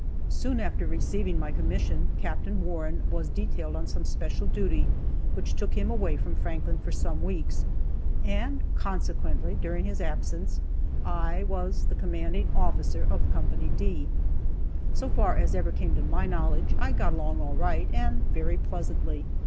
Soon after receiving my commission, Capt. Warren was detailed on some special duty which took him away from Franklin for some weeks, and consequently during his absence I was the commanding officer of Co. D. So far as ever came to my knowledge, I got along all right, and very pleasantly.